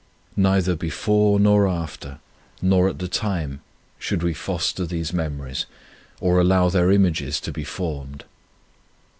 Neither before nor after, nor at 30 Our Labour the time, should we foster these memories or allow their images to be formed.